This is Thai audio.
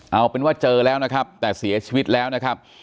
เอาเป็นว่าเจอแล้วนะครับแต่เสียชีวิตแล้วนะครับ